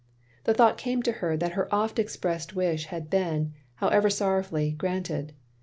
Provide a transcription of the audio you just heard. The thought came to her that her oft expressed wish had been (however sorrowfully) granted.